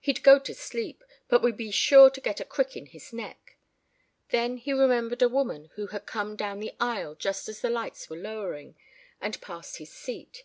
He'd go to sleep, but would be sure to get a crick in his neck. Then he remembered a woman who had come down the aisle just as the lights were lowering and passed his seat.